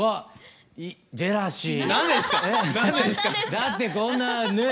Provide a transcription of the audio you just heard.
だってこんなねえ。